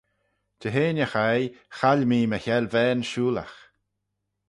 Jeheiney chaie, chaill mee my 'hellvane shooylagh.